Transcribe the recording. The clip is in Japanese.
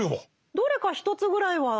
どれか１つぐらいは？